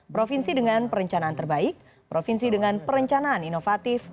provinsi dengan perencanaan terbaik provinsi dengan perencanaan inovatif